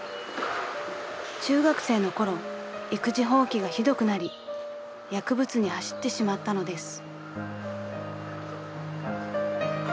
［中学生のころ育児放棄がひどくなり薬物に走ってしまったのです］